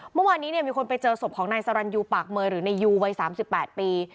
เมื่อวานนี้มีคนไปเจอศพของนายสรรยูปากเมย์หรือนายยูวัย๓๘ปี